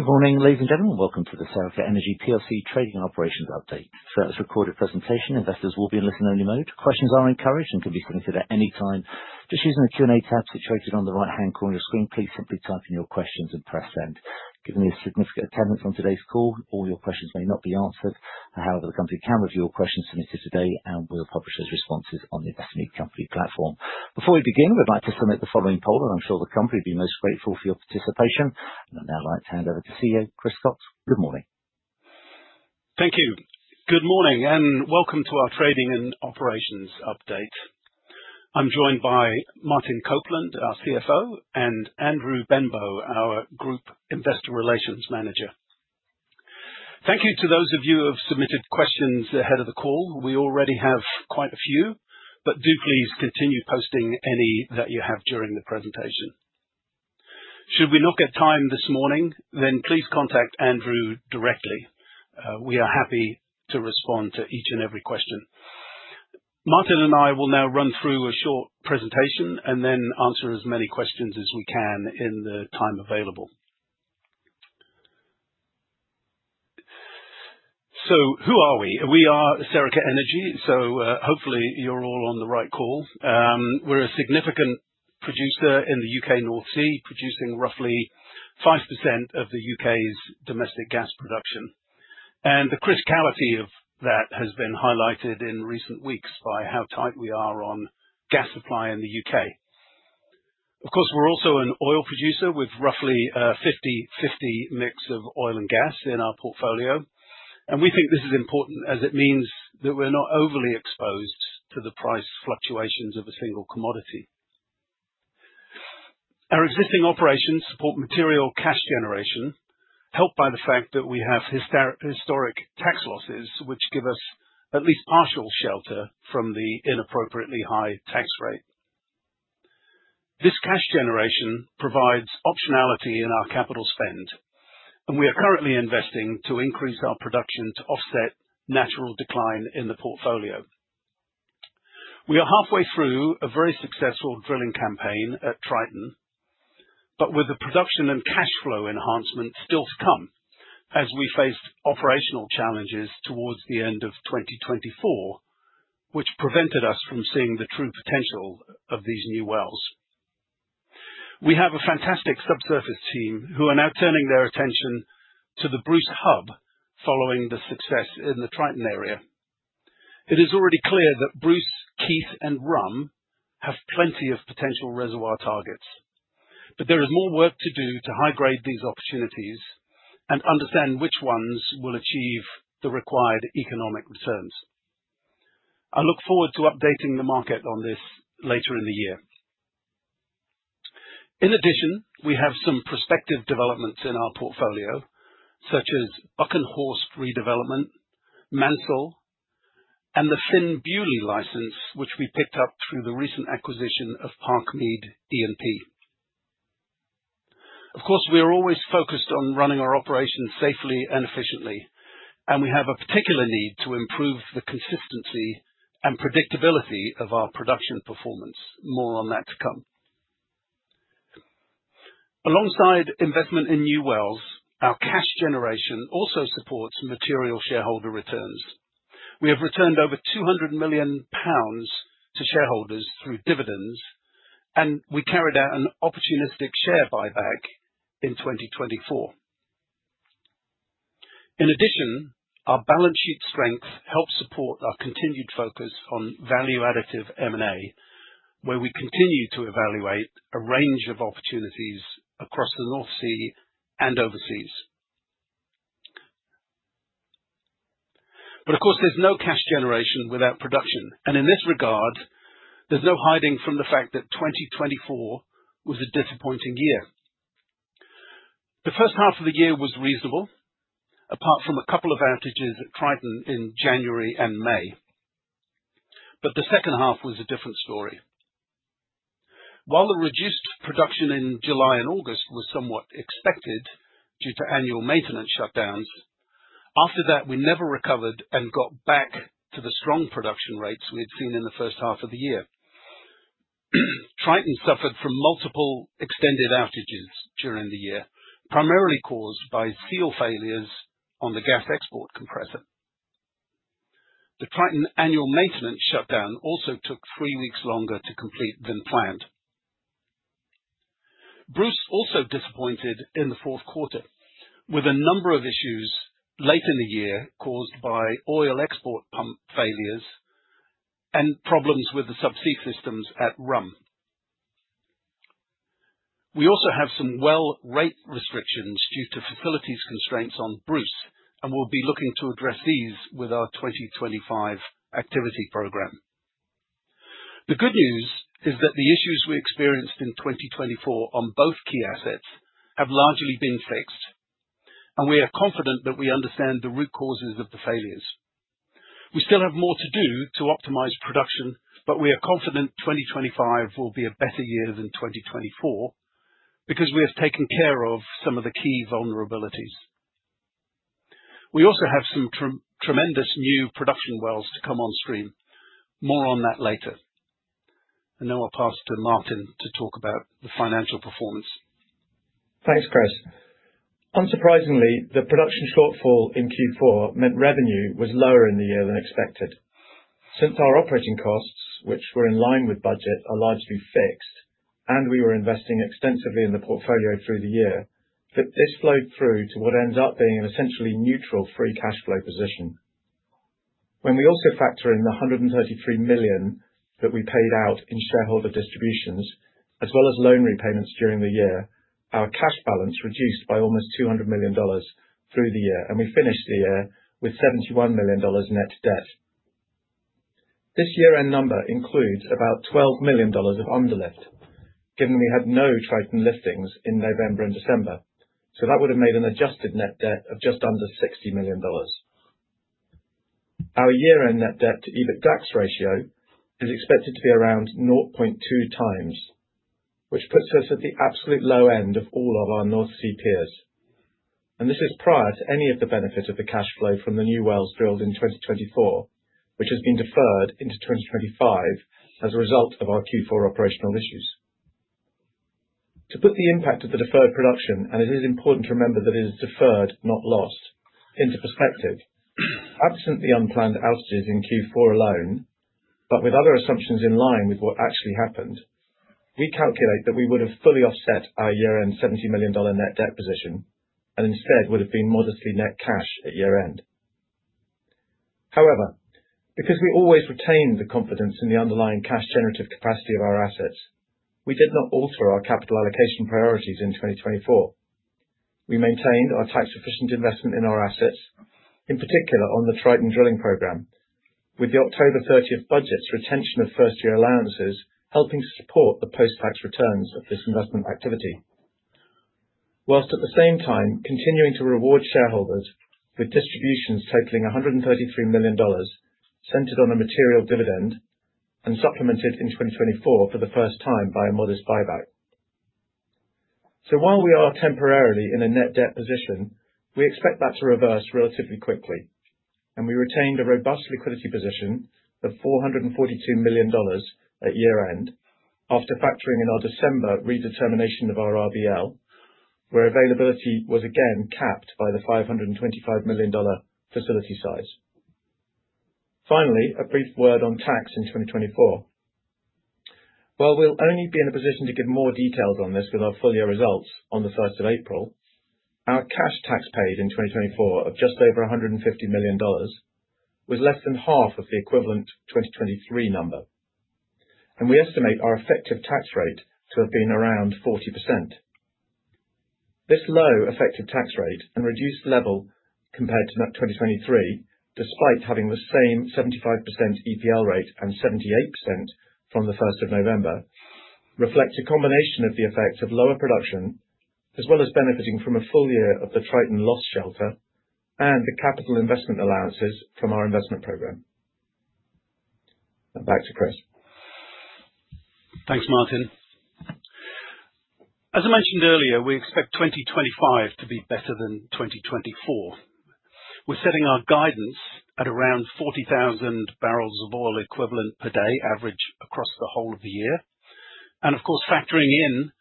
Good morning, ladies and gentlemen. Welcome to the Serica Energy plc trading operations update. For this recorded presentation, investors will be in listen-only mode. Questions are encouraged and can be submitted at any time. Just using the Q&A tab situated on the right-hand corner of your screen, please simply type in your questions and press Send. Given the significant attendance on today's call, all your questions may not be answered. However, the company can review all questions submitted today and will publish those responses on the investment company platform. Before we begin, we'd like to submit the following poll, and I'm sure the company will be most grateful for your participation. I'd now like to hand over to CEO Chris Cox. Good Morning. Thank you. Good morning, and welcome to our trading and operations update. I'm joined by Martin Copeland, our CFO, and Andrew Benbow, our Group Investor Relations Manager. Thank you to those of you who have submitted questions ahead of the call. We already have quite a few, but do please continue posting any that you have during the presentation. Should we not get time this morning, then please contact Andrew directly. We are happy to respond to each and every question. Martin and I will now run through a short presentation and then answer as many questions as we can in the time available. Who are we? We are Serica Energy. Hopefully, you're all on the right call. We're a significant producer in the U.K. North Sea, producing roughly 5% of the U.K.'s domestic gas production. The criticality of that has been highlighted in recent weeks by how tight we are on gas supply in the U.K. Of course, we're also an oil producer with roughly a 50/50 mix of oil and gas in our portfolio, and we think this is important as it means that we're not overly exposed to the price fluctuations of a single commodity. Our existing operations support material cash generation, helped by the fact that we have historic tax losses, which give us at least partial shelter from the inappropriately high tax rate. This cash generation provides optionality in our capital spend, and we are currently investing to increase our production to offset natural decline in the portfolio. We are halfway through a very successful drilling campaign at Triton, but with the production and cash flow enhancement still to come, as we faced operational challenges towards the end of 2024, which prevented us from seeing the true potential of these new wells. We have a fantastic subsurface team who are now turning their attention to the Bruce Hub following the success in the Triton area. It is already clear that Bruce, Keith, and Rhum have plenty of potential reservoir targets. There is more work to do to high-grade these opportunities and understand which ones will achieve the required economic returns. I look forward to updating the market on this later in the year. In addition, we have some prospective developments in our portfolio, such as Buchan Horst re-development, Mantle, and the Fynn-Beaulieu license, which we picked up through the recent acquisition of Parkmead E&P. Of course, we are always focused on running our operations safely and efficiently, and we have a particular need to improve the consistency and predictability of our production performance. More on that to come. Alongside investment in new wells, our cash generation also supports material shareholder returns. We have returned over 200 million pounds to shareholders through dividends, and we carried out an opportunistic share buyback in 2024. In addition, our balance sheet strength helps support our continued focus on value additive M&A, where we continue to evaluate a range of opportunities across the North Sea and overseas. Of course, there's no cash generation without production, and in this regard, there's no hiding from the fact that 2024 was a disappointing year. The first half of the year was reasonable, apart from a couple of outages at Triton in January and May. The second half was a different story. While the reduced production in July and August was somewhat expected due to annual maintenance shutdowns, after that, we never recovered and got back to the strong production rates we had seen in the first half of the year. Triton suffered from multiple extended outages during the year, primarily caused by seal failures on the gas export compressor. The Triton annual maintenance shutdown also took three weeks longer to complete than planned. Bruce also disappointed in the fourth quarter, with a number of issues late in the year caused by oil export pump failures and problems with the sub-sea systems at Rum. We also have some well rate restrictions due to facilities constraints on Bruce, and we'll be looking to address these with our 2025 activity program. The good news is that the issues we experienced in 2024 on both key assets have largely been fixed, and we are confident that we understand the root causes of the failures. We still have more to do to optimize production, but we are confident 2025 will be a better year than 2024 because we have taken care of some of the key vulnerabilities. We also have some tremendous new production wells to come on stream. More on that later. Now I'll pass to Martin to talk about the financial performance. Thanks, Chris. Unsurprisingly, the production shortfall in Q4 meant revenue was lower in the year than expected. Since our operating costs, which were in line with budget, are largely fixed and we were investing extensively in the portfolio through the year, that this flowed through to what ends up being an essentially neutral free cash flow position. When we also factor in the $133 million that we paid out in shareholder distributions, as well as loan repayments during the year, our cash balance reduced by almost $200 million through the year, and we finished the year with $71 million net debt. This year-end number includes about $12 million of uplift, given we had no Triton liftings in November and December. That would have made an adjusted net debt of just under $60 million. Our year-end net debt-to-EBITDAX ratio is expected to be around 0.2x, which puts us at the absolute low end of all of our North Sea peers. This is prior to any of the benefit of the cash flow from the new wells drilled in 2024, which has been deferred into 2025 as a result of our Q4 operational issues. To put the impact of the deferred production, and it is important to remember that it is deferred, not lost, into perspective, absent the unplanned outages in Q4 alone, but with other assumptions in line with what actually happened, we calculate that we would have fully offset our year-end $70 million net debt position, and instead would have been modestly net cash at year-end. However, because we always retained the confidence in the underlying cash generative capacity of our assets, we did not alter our capital allocation priorities in 2024. We maintained our tax-efficient investment in our assets, in particular on the Triton drilling program, with the October 30th budget's retention of first-year allowances helping to support the post-tax returns of this investment activity. Whilst at the same time continuing to reward shareholders with distributions totaling $133 million centered on a material dividend and supplemented in 2024 for the first time by a modest buyback. While we are temporarily in a net debt position, we expect that to reverse relatively quickly, and we retained a robust liquidity position of $442 million at year-end after factoring in our December redetermination of our RBL, where availability was again capped by the $525 million facility size. Finally, a brief word on tax in 2024. While we'll only be in a position to give more details on this with our full year results on April 1, our cash tax paid in 2024 of just over $150 million was less than half of the equivalent 2023 number. We estimate our effective tax rate to have been around 40%. This low effective tax rate and reduced level compared to that 2023, despite having the same 75% EPL rate and 78% from the first of November, reflects a combination of the effects of lower production, as well as benefiting from a full year of the Triton loss shelter and the capital investment allowances from our investment program. Now back to Chris. Thanks, Martin. As I mentioned earlier, we expect 2025 to be better than 2024. We're setting our guidance at around 40,000 barrels of oil equivalent per day average across the whole of the year. Of course, factoring in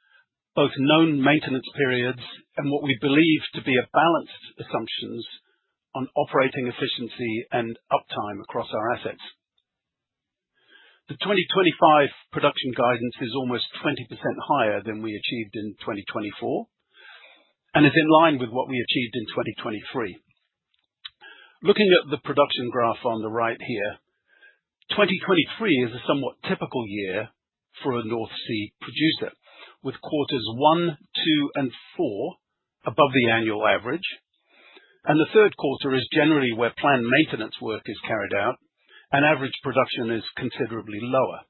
both known maintenance periods and what we believe to be a balanced assumptions on operating efficiency and uptime across our assets. The 2025 production guidance is almost 20% higher than we achieved in 2024 and is in line with what we achieved in 2023. Looking at the production graph on the right here, 2023 is a somewhat typical year for a North Sea producer, with quarters one, two, and four above the annual average. The third quarter is generally where planned maintenance work is carried out and average production is considerably lower.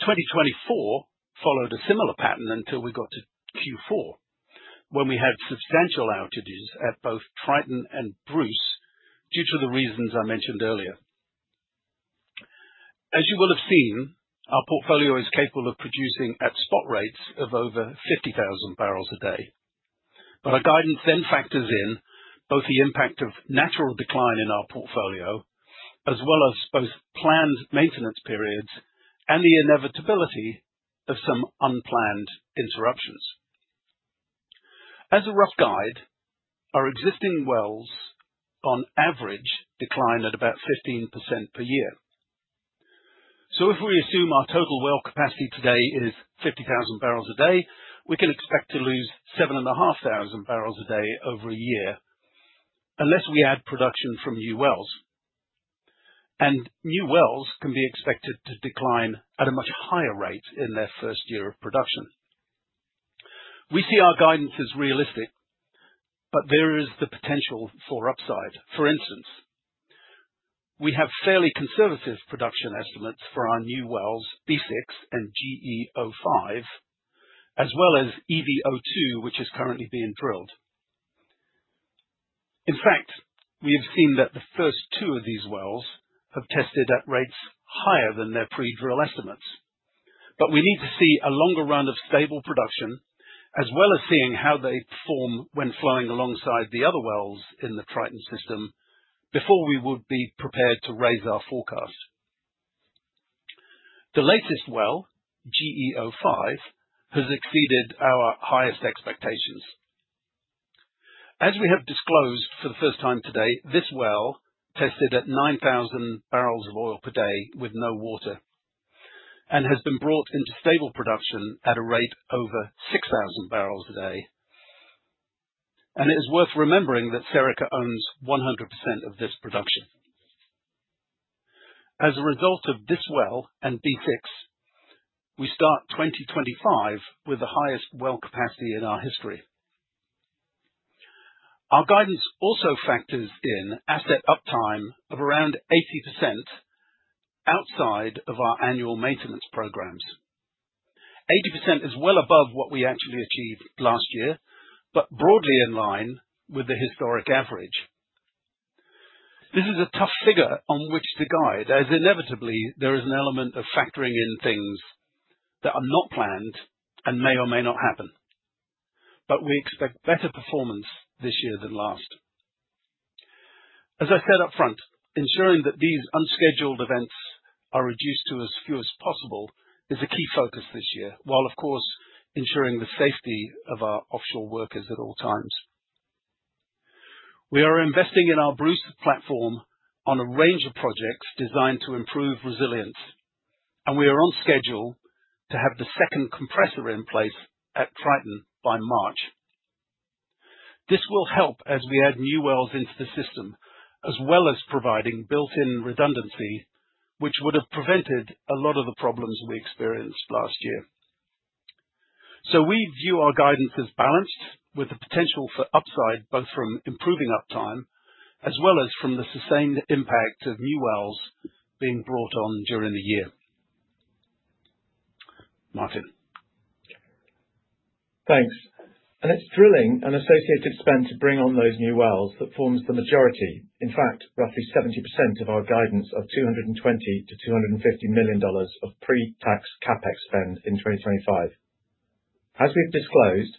2024 followed a similar pattern until we got to Q4, when we had substantial outages at both Triton and Bruce due to the reasons I mentioned earlier. As you will have seen, our portfolio is capable of producing at spot rates of over 50,000 barrels a day. Our guidance then factors in both the impact of natural decline in our portfolio, as well as both planned maintenance periods and the inevitability of some unplanned interruptions. As a rough guide, our existing wells on average decline at about 15% per year. If we assume our total well capacity today is 50,000 barrels a day, we can expect to lose 7,500 barrels a day over a year, unless we add production from new wells. New wells can be expected to decline at a much higher rate in their first year of production. We see our guidance as realistic, but there is the potential for upside. For instance, we have fairly conservative production estimates for our new wells, B6 and GE-05, as well as EV-02, which is currently being drilled. In fact, we have seen that the first two of these wells have tested at rates higher than their pre-drill estimates. We need to see a longer run of stable production, as well as seeing how they perform when flowing alongside the other wells in the Triton system, before we would be prepared to raise our forecast. The latest well, GE-05, has exceeded our highest expectations. As we have disclosed for the first time today, this well tested at 9,000 barrels of oil per day with no water and has been brought into stable production at a rate over 6,000 barrels a day. It is worth remembering that Serica owns 100% of this production. As a result of this well and B6, we start 2025 with the highest well capacity in our history. Our guidance also factors in asset uptime of around 80% outside of our annual maintenance programs. 80% is well above what we actually achieved last year, but broadly in line with the historic average. This is a tough figure on which to guide, as inevitably there is an element of factoring in things that are not planned and may or may not happen. We expect better performance this year than last. As I said up front, ensuring that these unscheduled events are reduced to as few as possible is a key focus this year, while of course ensuring the safety of our offshore workers at all times. We are investing in our Bruce platform on a range of projects designed to improve resilience, and we are on schedule to have the second compressor in place at Triton by March. This will help as we add new wells into the system, as well as providing built-in redundancy, which would have prevented a lot of the problems we experienced last year. We view our guidance as balanced with the potential for upside, both from improving uptime as well as from the sustained impact of new wells being brought on during the year. Martin. Thanks. It's drilling and associated spend to bring on those new wells that forms the majority. In fact, roughly 70% of our guidance of $220 million-$250 million of pre-tax CapEx spend in 2025. As we've disclosed,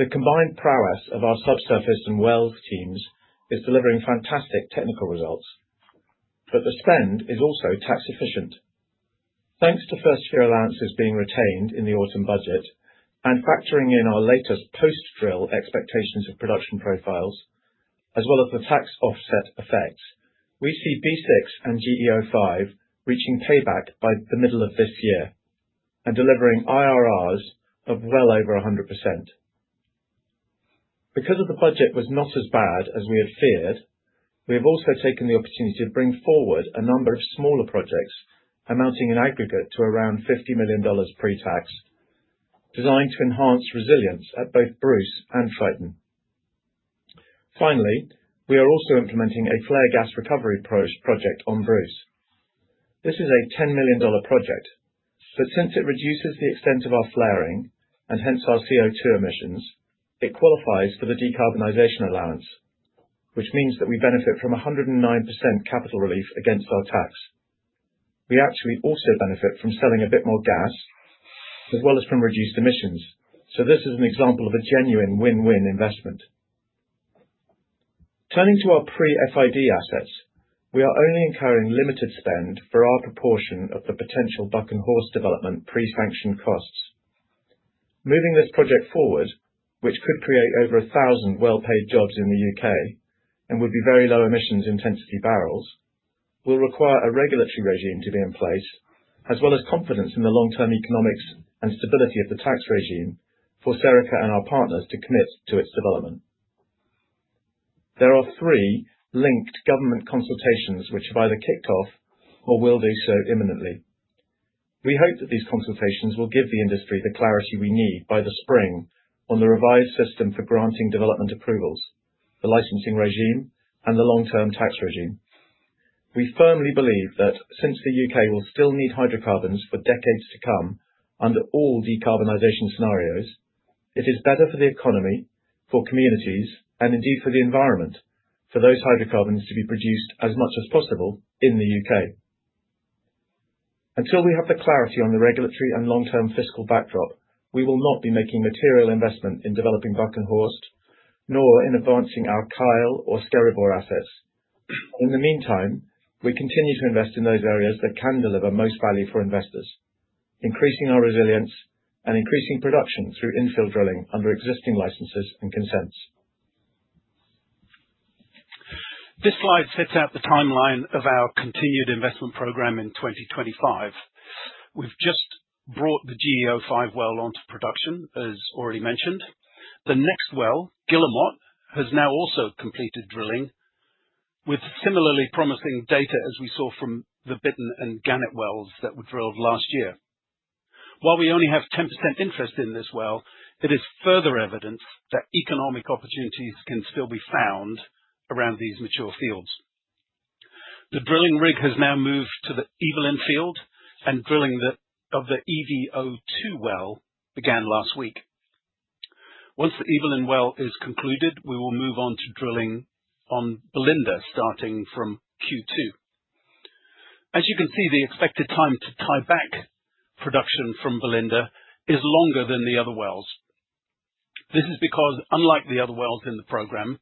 the combined prowess of our subsurface and wells teams is delivering fantastic technical results. The spend is also tax efficient. Thanks to first-year allowances being retained in the autumn budget and factoring in our latest post-drill expectations of production profiles, as well as the tax offset effects, we see B6 and GE-05 reaching payback by the middle of this year and delivering IRRs of well over 100%. Because the budget was not as bad as we had feared, we have also taken the opportunity to bring forward a number of smaller projects amounting in aggregate to around $50 million pre-tax, designed to enhance resilience at both Bruce and Triton. Finally, we are also implementing a flare gas recovery project on Bruce. This is a $10 million project, but since it reduces the extent of our flaring and hence our CO2 emissions, it qualifies for the decarbonization allowance, which means that we benefit from 109% capital relief against our tax. We actually also benefit from selling a bit more gas as well as from reduced emissions. This is an example of a genuine win-win investment. Turning to our pre-FID assets. We are only incurring limited spend for our proportion of the potential Buck and Horse development pre-sanction costs. Moving this project forward, which could create over 1,000 well-paid jobs in the U.K. and would be very low emissions intensity barrels, will require a regulatory regime to be in place, as well as confidence in the long-term economics and stability of the tax regime for Serica and our partners to commit to its development. There are three linked government consultations which have either kicked off or will do so imminently. We hope that these consultations will give the industry the clarity we need by the spring on the revised system for granting development approvals, the licensing regime and the long-term tax regime. We firmly believe that since the U.K. will still need hydrocarbons for decades to come under all decarbonization scenarios, it is better for the economy, for communities and indeed for the environment, for those hydrocarbons to be produced as much as possible in the U.K. Until we have the clarity on the regulatory and long-term fiscal backdrop, we will not be making material investment in developing Buchan Horst, nor in advancing our Kyle or Skerryvore assets. In the meantime, we continue to invest in those areas that can deliver most value for investors, increasing our resilience and increasing production through infill drilling under existing licenses and consents. This slide sets out the timeline of our continued investment program in 2025. We've just brought the GE-05 well onto production, as already mentioned. The next well, Guillemot, has now also completed drilling with similarly promising data as we saw from the Bittern and Gannet wells that were drilled last year. While we only have 10% interest in this well, it is further evidence that economic opportunities can still be found around these mature fields. The drilling rig has now moved to the Evelyn field and drilling of the EV-02 well began last week. Once the Evelyn well is concluded, we will move on to drilling on Belinda starting from Q2. As you can see, the expected time to tie back production from Belinda is longer than the other wells. This is because unlike the other wells in the program,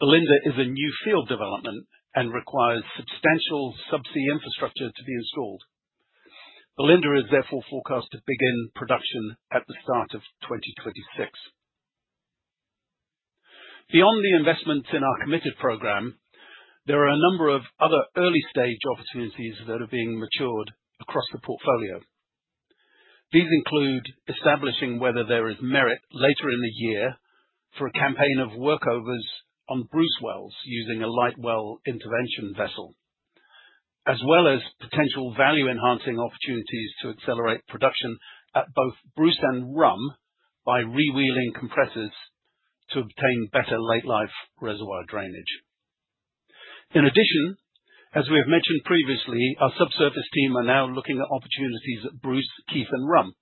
Belinda is a new field development and requires substantial subsea infrastructure to be installed. Belinda is therefore forecast to begin production at the start of 2026. Beyond the investments in our committed program, there are a number of other early-stage opportunities that are being matured across the portfolio. These include establishing whether there is merit later in the year for a campaign of workovers on Bruce wells using a light well intervention vessel, as well as potential value-enhancing opportunities to accelerate production at both Bruce and Rum by re-wheeling compressors to obtain better late life reservoir drainage. In addition, as we have mentioned previously, our subsurface team are now looking at opportunities at Bruce, Keith and Rum.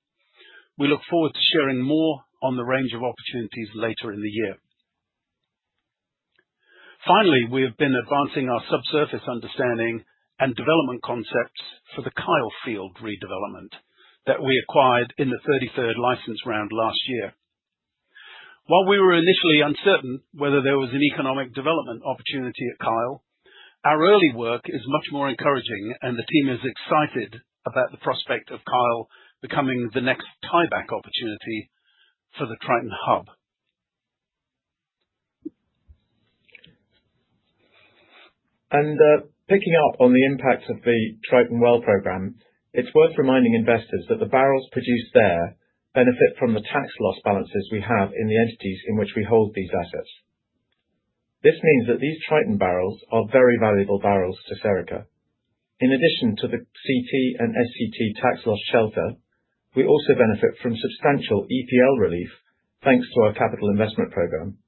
We look forward to sharing more on the range of opportunities later in the year. Finally, we have been advancing our subsurface understanding and development concepts for the Kyle field redevelopment that we acquired in the 33rd licensing round last year. While we were initially uncertain whether there was an economic development opportunity at Kyle, our early work is much more encouraging and the team is excited about the prospect of Kyle becoming the next tieback opportunity for the Triton hub. Picking up on the impact of the Triton well program, it's worth reminding investors that the barrels produced there benefit from the tax loss balances we have in the entities in which we hold these assets. This means that these Triton barrels are very valuable barrels to Serica. In addition to the CT and SCT tax loss shelter, we also benefit from substantial EPL relief, thanks to our capital investment program.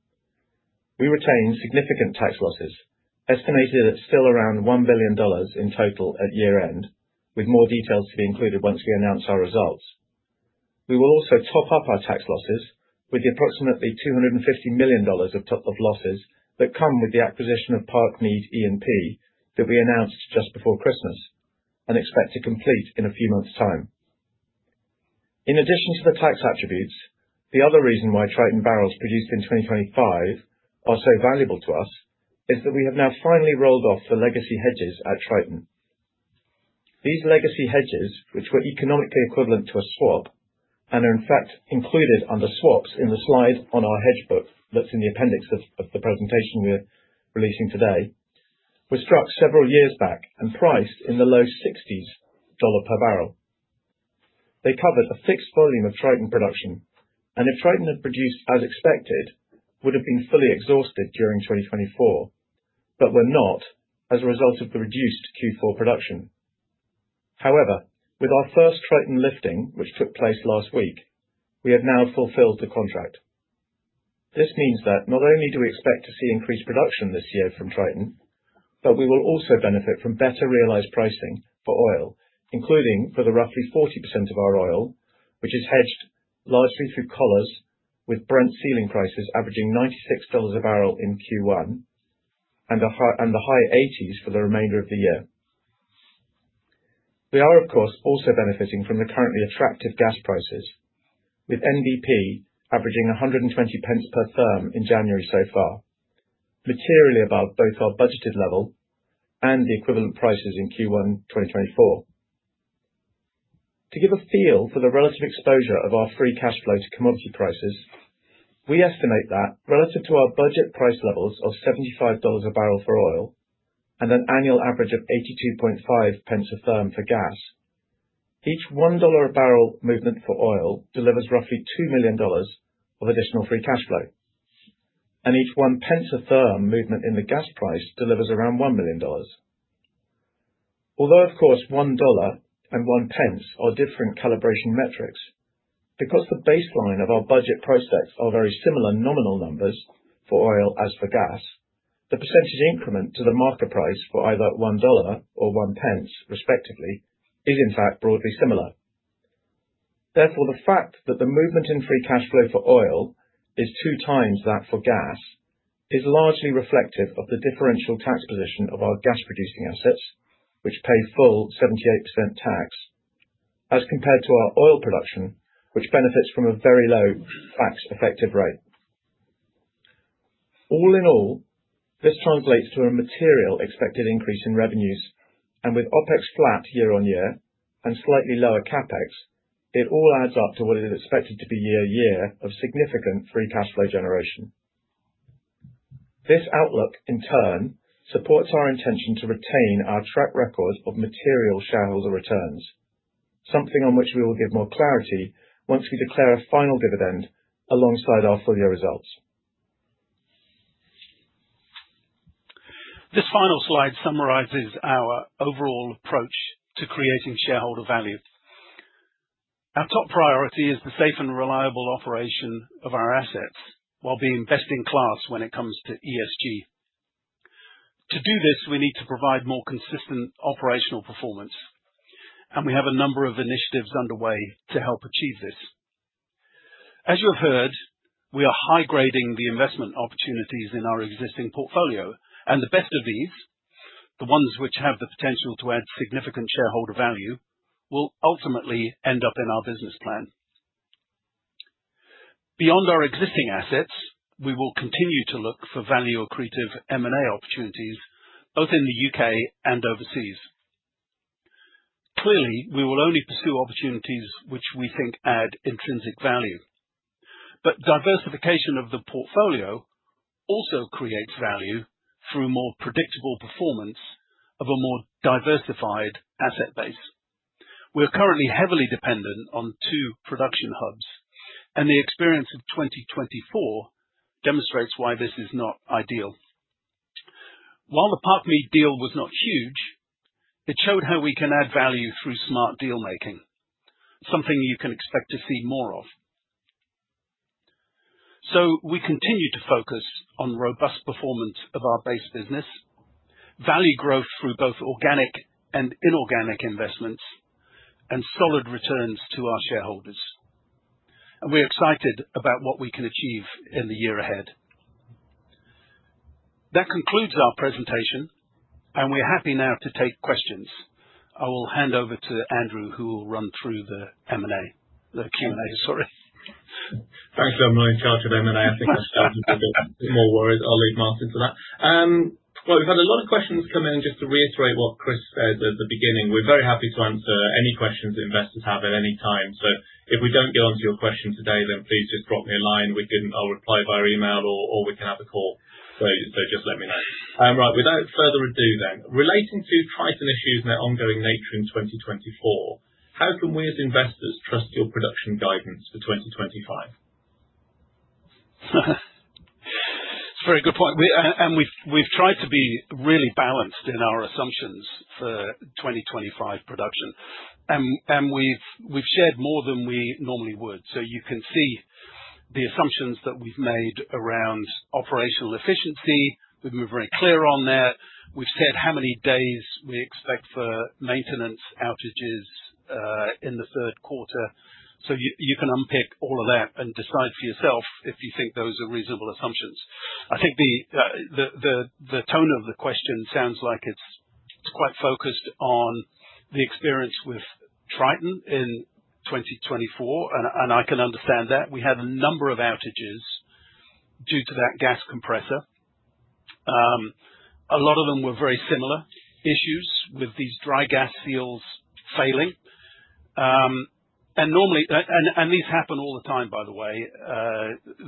We retain significant tax losses, estimated at still around $1 billion in total at year-end, with more details to be included once we announce our results. We will also top up our tax losses with the approximately $250 million of top-up losses that come with the acquisition of Parkmead E&P that we announced just before Christmas and expect to complete in a few months' time. In addition to the tax attributes, the other reason why Triton barrels produced in 2025 are so valuable to us is that we have now finally rolled off the legacy hedges at Triton. These legacy hedges, which were economically equivalent to a swap and are in fact included under swaps in the slide on our hedge book that's in the appendix of the presentation we're releasing today, were struck several years back and priced in the low 60s dollars per barrel. They covered a fixed volume of Triton production, and if Triton had produced as expected, would have been fully exhausted during 2024, but were not as a result of the reduced Q4 production. However, with our first Triton lifting, which took place last week, we have now fulfilled the contract. This means that not only do we expect to see increased production this year from Triton, but we will also benefit from better realized pricing for oil, including for the roughly 40% of our oil, which is hedged largely through collars with Brent ceiling prices averaging $96 a barrel in Q1 and the high 80s for the remainder of the year. We are, of course, also benefiting from the currently attractive gas prices, with NBP averaging 120 pence per therm in January so far, materially above both our budgeted level and the equivalent prices in Q1 2024. To give a feel for the relative exposure of our free cash flow to commodity prices, we estimate that relative to our budget price levels of $75 a barrel for oil and an annual average of 82.5 pence a therm for gas, each $1 a barrel movement for oil delivers roughly $2 million of additional free cash flow. Each 1 pence a therm movement in the gas price delivers around $1 million. Although, of course, $1 and 1 pence are different calibration metrics. Because the baseline of our budget price sets are very similar nominal numbers for oil as for gas, the % increment to the market price for either $1 or 1 pence respectively is in fact broadly similar. Therefore, the fact that the movement in free cash flow for oil is 2x that for gas is largely reflective of the differential tax position of our gas-producing assets, which pay full 78% tax, as compared to our oil production, which benefits from a very low tax effective rate. All in all, this translates to a material expected increase in revenues and with OpEx flat year-on-year and slightly lower CapEx, it all adds up to what is expected to be a year of significant free cash flow generation. This outlook in turn supports our intention to retain our track record of material shareholder returns, something on which we will give more clarity once we declare a final dividend alongside our full-year results. This final slide summarizes our overall approach to creating shareholder value. Our top priority is the safe and reliable operation of our assets while being best in class when it comes to ESG. To do this, we need to provide more consistent operational performance, and we have a number of initiatives underway to help achieve this. As you have heard, we are high-grading the investment opportunities in our existing portfolio, and the best of these, the ones which have the potential to add significant shareholder value, will ultimately end up in our business plan. Beyond our existing assets, we will continue to look for value-accretive M&A opportunities both in the U.K. and overseas. Clearly, we will only pursue opportunities which we think add intrinsic value. Diversification of the portfolio also creates value through more predictable performance of a more diversified asset base. We are currently heavily dependent on two production hubs, and the experience of 2024 demonstrates why this is not ideal. While the Parkmead deal was not huge, it showed how we can add value through smart deal-making. Something you can expect to see more of. We continue to focus on robust performance of our base business, value growth through both organic and inorganic investments, and solid returns to our shareholders. We're excited about what we can achieve in the year ahead. That concludes our presentation, and we're happy now to take questions. I will hand over to Andrew, who will run through the M&A. The Q&A, sorry. Actually, I'm not in charge of M&A. I think that's something for our worries. I'll leave Martin for that. Well, we've had a lot of questions come in just to reiterate what Chris said at the beginning. We're very happy to answer any questions investors have at any time. If we don't get onto your question today, then please just drop me a line. I'll reply via email or we can have a call. Just let me know. Right, without further ado then. Relating to Triton issues and their ongoing nature in 2024, how can we as investors trust your production guidance for 2025? It's a very good point. We've tried to be really balanced in our assumptions for 2025 production. We've shared more than we normally would. You can see the assumptions that we've made around operational efficiency. We've been very clear on that. We've said how many days we expect for maintenance outages in the third quarter. You can unpick all of that and decide for yourself if you think those are reasonable assumptions. I think the tone of the question sounds like it's quite focused on the experience with Triton in 2024, and I can understand that. We had a number of outages due to that gas compressor. A lot of them were very similar issues with these dry gas seals failing. Normally these happen all the time, by the way.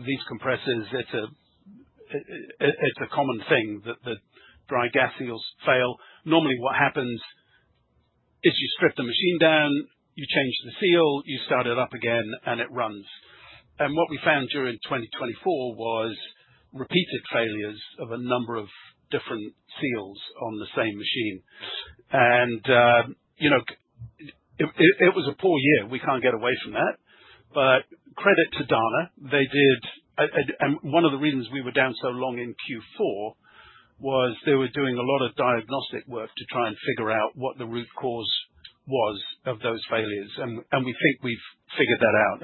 These compressors, it's a common thing that the dry gas seals fail. Normally what happens is you strip the machine down, you change the seal, you start it up again and it runs. What we found during 2024 was repeated failures of a number of different seals on the same machine. You know, it was a poor year. We can't get away from that. Credit to Dana, they did. One of the reasons we were down so long in Q4 was they were doing a lot of diagnostic work to try and figure out what the root cause was of those failures. We think we've figured that out.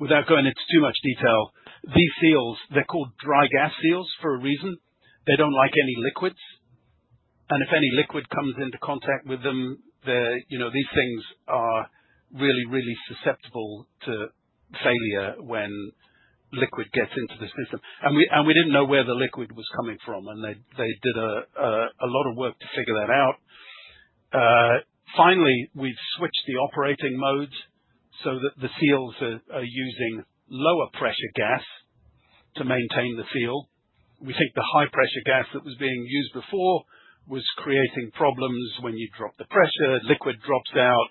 Without going into too much detail, these seals, they're called dry gas seals for a reason. They don't like any liquids, and if any liquid comes into contact with them, they're, you know, these things are really, really susceptible to failure when liquid gets into the system. We didn't know where the liquid was coming from, and they did a lot of work to figure that out. Finally, we've switched the operating modes so that the seals are using lower pressure gas to maintain the seal. We think the high pressure gas that was being used before was creating problems when you drop the pressure, liquid drops out,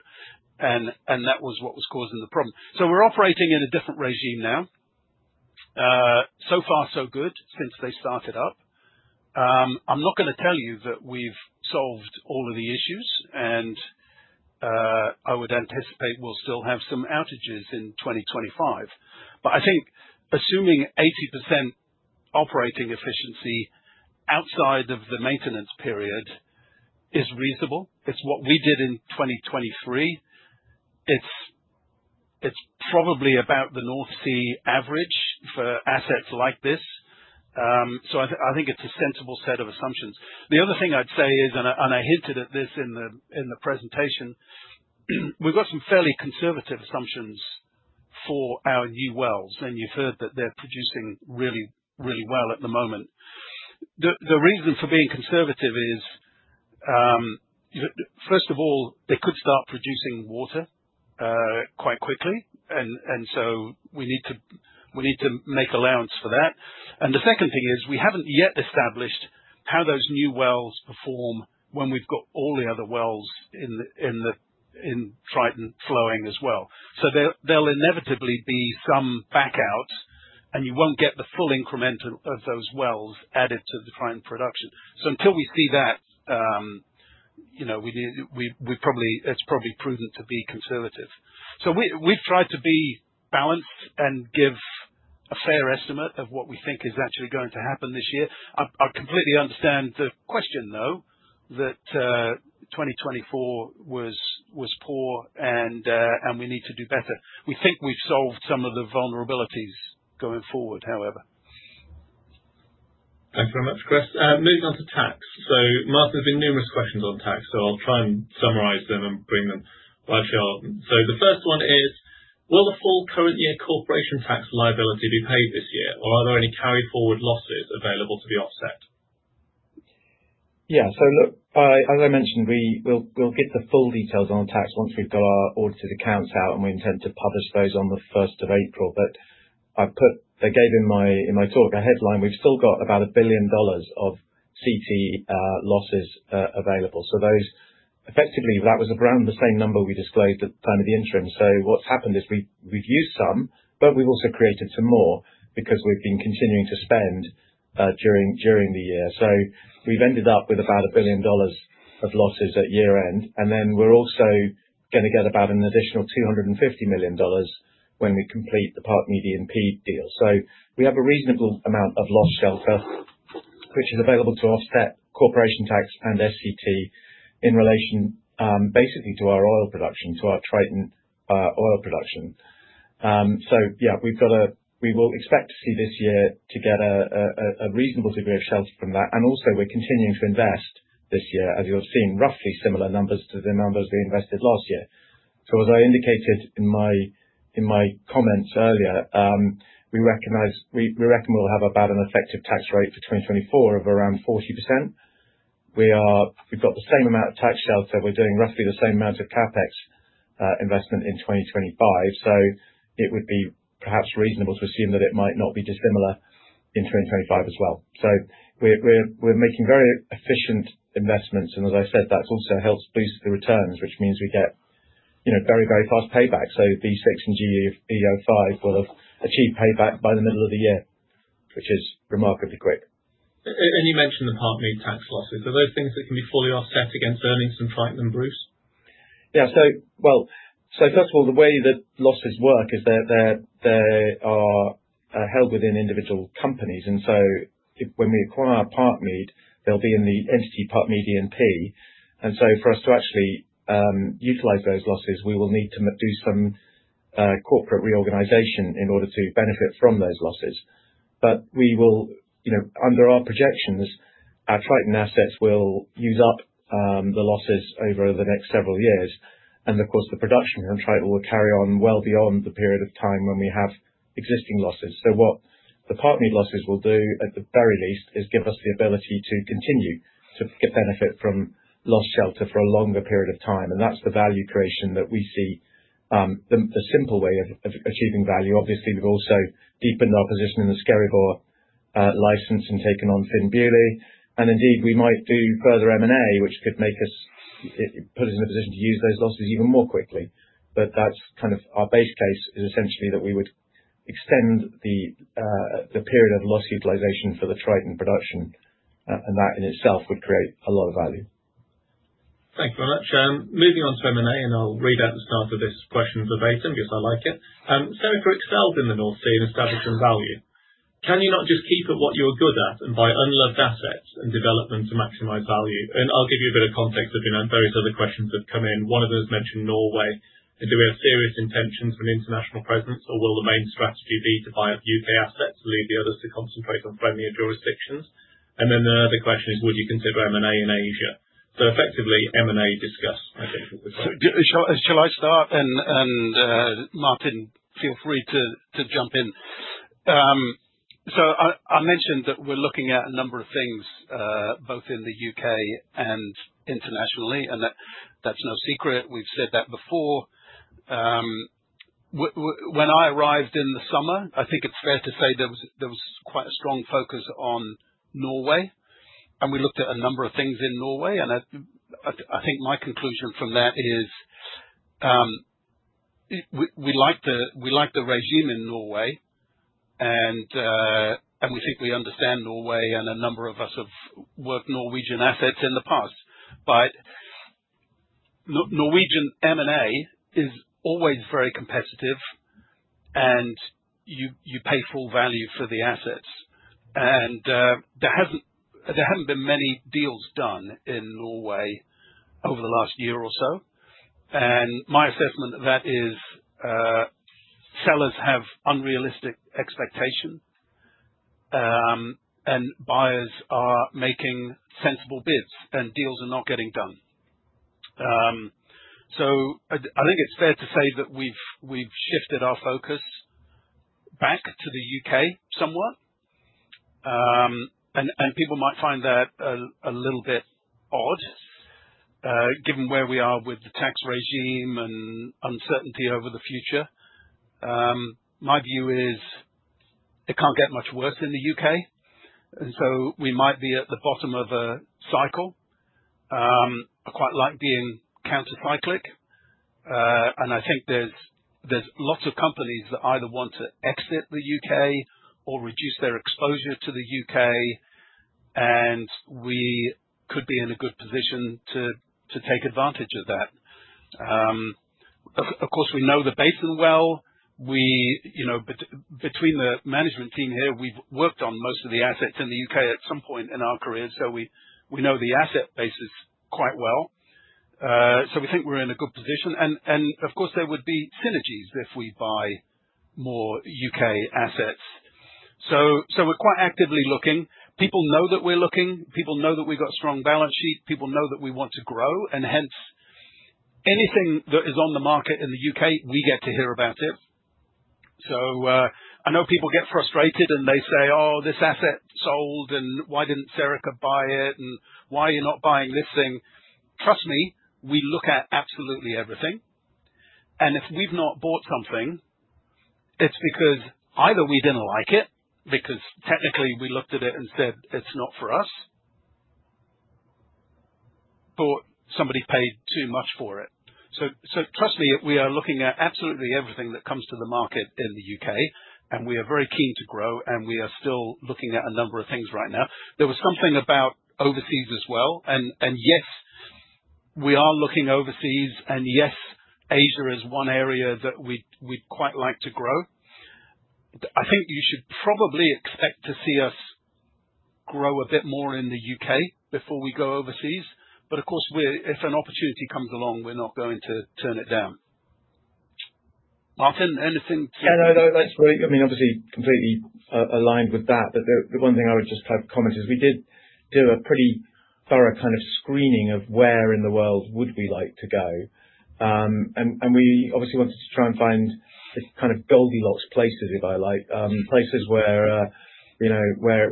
and that was what was causing the problem. We're operating in a different regime now. So far so good since they started up. I'm not gonna tell you that we've solved all of the issues and I would anticipate we'll still have some outages in 2025. I think assuming 80% operating efficiency outside of the maintenance period is reasonable. It's what we did in 2023. It's probably about the North Sea average for assets like this. I think it's a sensible set of assumptions. The other thing I'd say is I hinted at this in the presentation. We've got some fairly conservative assumptions for our new wells, and you've heard that they're producing really, really well at the moment. The reason for being conservative is first of all, they could start producing water quite quickly and so we need to make allowance for that. The second thing is we haven't yet established how those new wells perform when we've got all the other wells in the Triton flowing as well. There'll inevitably be some backout and you won't get the full incremental of those wells added to the Triton production. Until we see that, you know, it's probably prudent to be conservative. We've tried to be balanced and give a fair estimate of what we think is actually going to happen this year. I completely understand the question, though, that 2024 was poor and we need to do better. We think we've solved some of the vulnerabilities going forward, however. Thanks very much, Chris. Moving on to tax. Martin, there's been numerous questions on tax, so I'll try and summarize them and bring them in one shot. The first one is: Will the full current year corporation tax liability be paid this year, or are there any carry forward losses available to be offset? Look, as I mentioned, we'll get the full details on tax once we've got our audited accounts out, and we intend to publish those on the 1st of April. But I gave in my talk a headline. We've still got about $1 billion of CT losses available. Effectively, that was around the same number we disclosed at time of the interim. What's happened is we've used some, but we've also created some more because we've been continuing to spend during the year. We've ended up with about $1 billion of CT losses at year-end, and then we're also gonna get about an additional $250 million when we complete the Parkmead E&P deal. We have a reasonable amount of loss shelter which is available to offset corporation tax and SCT in relation, basically to our oil production, to our Triton, oil production. We will expect to see this year to get a reasonable degree of shelter from that. We're continuing to invest this year, as you'll have seen, roughly similar numbers to the numbers we invested last year. As I indicated in my comments earlier, we reckon we'll have about an effective tax rate for 2024 of around 40%. We've got the same amount of tax shelter. We're doing roughly the same amount of CapEx investment in 2025. It would be perhaps reasonable to assume that it might not be dissimilar in 2025 as well. We're making very efficient investments, and as I said, that also helps boost the returns, which means we get, you know, very, very fast payback. B6 and GE-05 will have achieved payback by the middle of the year, which is remarkably quick. You mentioned the Parkmead tax losses. Are those things that can be fully offset against earnings from Triton and Bruce? Well, first of all, the way that losses work is they are held within individual companies. When we acquire Parkmead, they'll be in the entity Parkmead E&P. For us to actually utilize those losses, we will need to do some corporate reorganization in order to benefit from those losses. We will, you know, under our projections, our Triton assets will use up the losses over the next several years. Of course, the production from Triton will carry on well beyond the period of time when we have existing losses. What the Parkmead losses will do, at the very least, is give us the ability to continue to get benefit from loss shelter for a longer period of time. That's the value creation that we see, the simple way of achieving value. Obviously, we've also deepened our position in the Skerryvore license and taken on Fynn Beauly. Indeed, we might do further M&A, which could make us, it puts us in a position to use those losses even more quickly. But that's kind of our base case is essentially that we would extend the period of loss utilization for the Triton production, and that in itself would create a lot of value. Thank you very much. Moving on to M&A, I'll read out the start of this question verbatim because I like it. Serica excels in the North Sea in establishing value. Can you not just keep at what you're good at and buy unloved assets and develop them to maximize value? I'll give you a bit of context. There've been various other questions that have come in. One of those mentioned Norway, and do we have serious intentions of an international presence, or will the main strategy be to buy up U.K. assets, leave the others to concentrate on friendlier jurisdictions? Another question is, would you consider M&A in Asia? Effectively, M&A discussion, I think is the phrase. Shall I start? Martin, feel free to jump in. I mentioned that we're looking at a number of things both in the U.K. and internationally, and that's no secret. We've said that before. When I arrived in the summer, I think it's fair to say there was quite a strong focus on Norway, and we looked at a number of things in Norway. I think my conclusion from that is we like the regime in Norway, and we think we understand Norway, and a number of us have worked Norwegian assets in the past. Norwegian M&A is always very competitive, and you pay full value for the assets. There haven't been many deals done in Norway over the last year or so. My assessment of that is sellers have unrealistic expectation, and buyers are making sensible bids, and deals are not getting done. I think it's fair to say that we've shifted our focus back to the U.K. somewhat. People might find that a little bit odd, given where we are with the tax regime and uncertainty over the future. My view is it can't get much worse in the U.K., so we might be at the bottom of a cycle. I quite like being counter-cyclical. I think there's lots of companies that either want to exit the U.K. or reduce their exposure to the U.K., and we could be in a good position to take advantage of that. Of course, we know the basin well. We, you know, between the management team here, we've worked on most of the assets in the U.K. at some point in our careers, so we know the asset bases quite well. We think we're in a good position. Of course, there would be synergies if we buy more U.K. assets. We're quite actively looking. People know that we're looking. People know that we've got strong balance sheet. People know that we want to grow, and hence anything that is on the market in the U.K., we get to hear about it. I know people get frustrated, and they say, "Oh, this asset sold, and why didn't Serica buy it? And why are you not buying this thing?" Trust me, we look at absolutely everything, and if we've not bought something, it's because either we didn't like it because technically we looked at it and said, "It's not for us." Somebody paid too much for it. Trust me, we are looking at absolutely everything that comes to the market in the U.K., and we are very keen to grow, and we are still looking at a number of things right now. There was something about overseas as well, and yes, we are looking overseas. Yes, Asia is one area that we'd quite like to grow. I think you should probably expect to see us grow a bit more in the U.K. before we go overseas. Of course, if an opportunity comes along, we're not going to turn it down. Martin, anything to- Yeah, no, that's great. I mean, obviously, completely aligned with that. The one thing I would just kind of comment is we did do a pretty thorough kind of screening of where in the world would we like to go. And we obviously wanted to try and find the kind of Goldilocks places, if I like. Places where you know there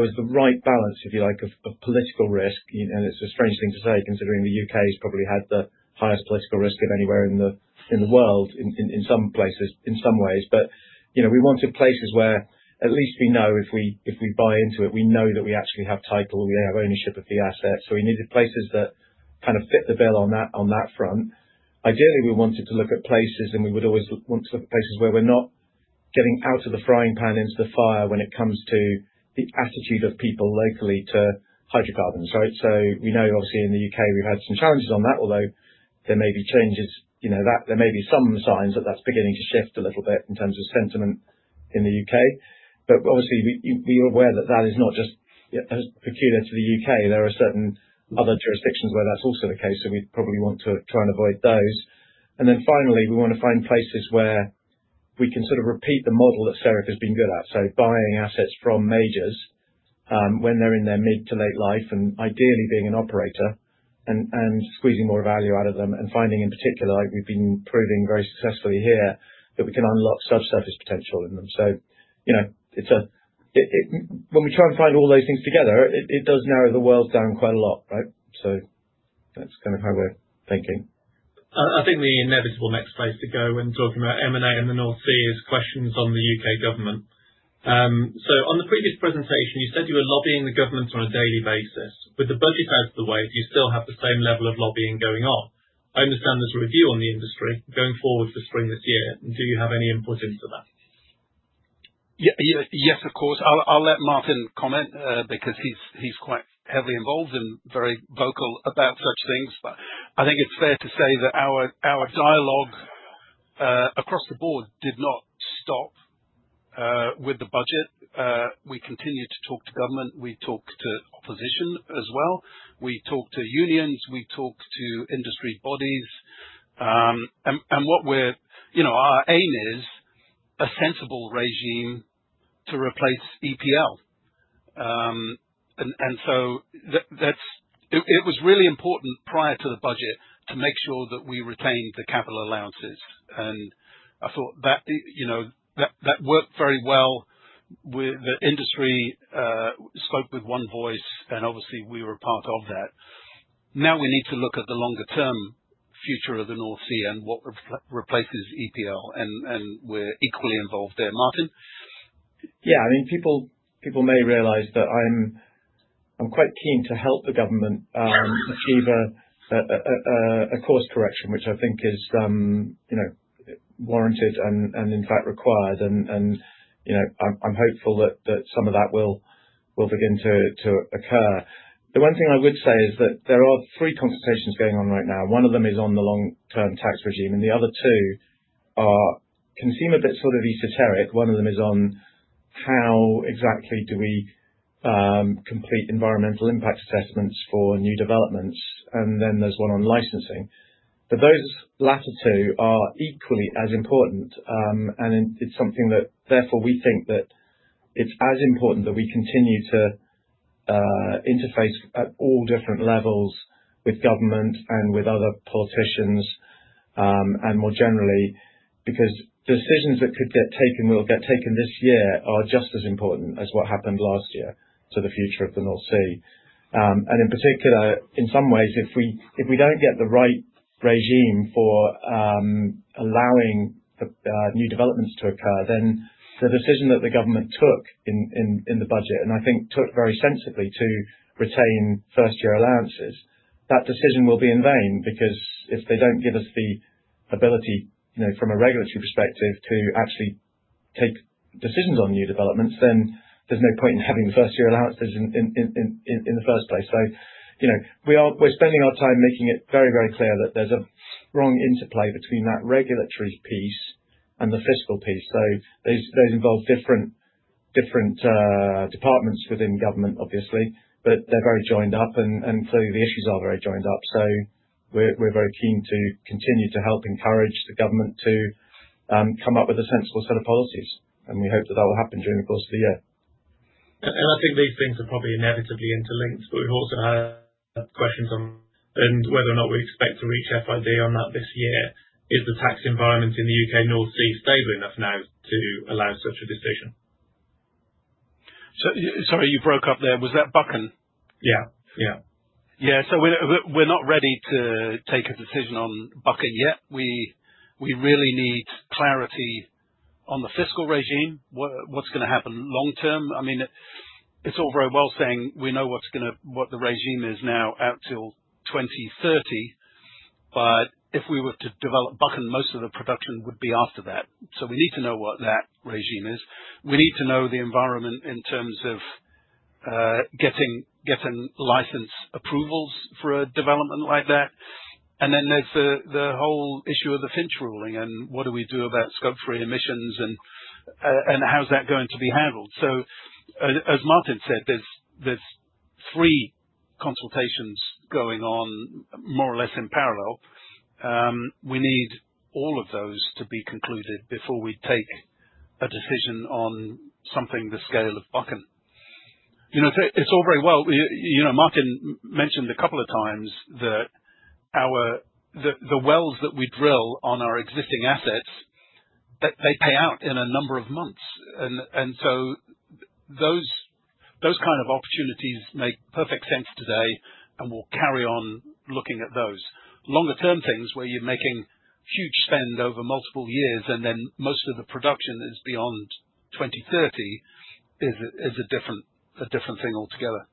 was the right balance, if you like, of political risk. You know, it's a strange thing to say, considering the U.K.'s probably had the highest political risk of anywhere in the world, in some places, in some ways. You know, we wanted places where at least we know if we buy into it, we know that we actually have title, we have ownership of the assets. We needed places that kind of fit the bill on that, on that front. Ideally, we wanted to look at places, and we would always want to look at places where we're not getting out of the frying pan into the fire when it comes to the attitude of people locally to hydrocarbons, right? We know obviously in the U.K. we've had some challenges on that, although there may be changes. You know, that there may be some signs that that's beginning to shift a little bit in terms of sentiment in the U.K. Obviously, you're aware that that is not just as peculiar to the U.K. There are certain other jurisdictions where that's also the case, so we'd probably want to try and avoid those. Finally, we wanna find places where we can sort of repeat the model that Serica's been good at. Buying assets from majors, when they're in their mid to late life, and ideally being an operator and squeezing more value out of them. Finding, in particular, like we've been proving very successfully here, that we can unlock subsurface potential in them. You know, when we try and find all those things together, it does narrow the world down quite a lot, right? That's kind of how we're thinking. I think the inevitable next place to go when talking about M&A in the North Sea is questions on the U.K. government. On the previous presentation, you said you were lobbying the government on a daily basis. With the budget out of the way, do you still have the same level of lobbying going on? I understand there's a review on the industry going forward for spring this year. Do you have any input into that? Yes, of course. I'll let Martin comment because he's quite heavily involved and very vocal about such things. I think it's fair to say that our dialogue across the board did not stop with the budget. We continue to talk to government. We talk to opposition as well. We talk to unions. We talk to industry bodies. You know, our aim is a sensible regime to replace EPL. So that's it. It was really important prior to the budget to make sure that we retained the capital allowances. I thought that, you know, that worked very well with the industry, spoke with one voice, and obviously, we were a part of that. Now we need to look at the longer term future of the North Sea and what replaces EPL, and we're equally involved there. Martin? Yeah. I mean, people may realize that I'm quite keen to help the government achieve a course correction, which I think is, you know, warranted and, you know, I'm hopeful that some of that will begin to occur. The one thing I would say is that there are three consultations going on right now. One of them is on the long-term tax regime, and the other two can seem a bit sort of esoteric. One of them is on how exactly do we complete environmental impact assessments for new developments? Then there's one on licensing. Those latter two are equally as important, and it's something that therefore we think that it's as important that we continue to interface at all different levels with government and with other politicians, and more generally. Because decisions that could get taken will get taken this year are just as important as what happened last year to the future of the North Sea. In particular, in some ways, if we don't get the right regime for allowing the new developments to occur, then the decision that the government took in the budget, and I think took very sensibly to retain first-year allowances. That decision will be in vain because if they don't give us the ability, you know, from a regulatory perspective to actually take decisions on new developments, then there's no point in having the first-year allowances in the first place. You know, we're spending our time making it very, very clear that there's a strong interplay between that regulatory piece and the fiscal piece. Those involve different departments within government, obviously, but they're very joined up and clearly the issues are very joined up. We're very keen to continue to help encourage the government to come up with a sensible set of policies, and we hope that will happen during the course of the year. I think these things are probably inevitably interlinked, but we've also had questions on whether or not we expect to reach FID on that this year. Is the tax environment in the U.K. North Sea stable enough now to allow such a decision? Sorry, you broke up there. Was that Buchan? Yeah, yeah. Yeah. We're not ready to take a decision on Buchan yet. We really need clarity on the fiscal regime. What's gonna happen long term. I mean, it's all very well saying we know what the regime is now out till 2030, but if we were to develop Buchan, most of the production would be after that. We need to know what that regime is. We need to know the environment in terms of getting license approvals for a development like that. And then there's the whole issue of the Finch ruling and what do we do about Scope 3 emissions and how is that going to be handled. As Martin said, there's three consultations going on more or less in parallel. We need all of those to be concluded before we take a decision on something the scale of Buchan. You know, it's all very well. You know, Martin mentioned a couple of times that the wells that we drill on our existing assets, they pay out in a number of months. So those kind of opportunities make perfect sense today, and we'll carry on looking at those. Longer term things where you're making huge spend over multiple years and then most of the production is beyond 2030 is a different thing altogether.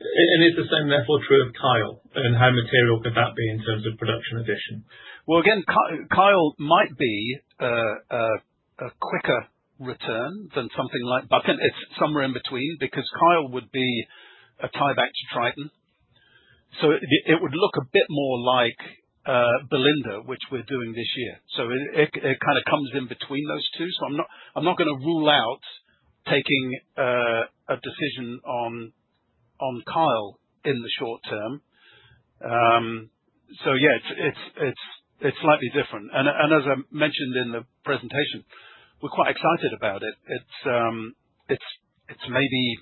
Is the same therefore true of Kyle, and how material could that be in terms of production addition? Well, again, Kyle might be a quicker return than something like Buchan. It's somewhere in between. Because Kyle would be a tie back to Triton, so it kind of comes in between those two. I'm not gonna rule out taking a decision on Kyle in the short term. Yeah, it's slightly different. As I mentioned in the presentation, we're quite excited about it. It's maybe